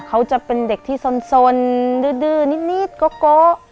เขาจะเป็นเด็กที่สนดื้อนิดโกะ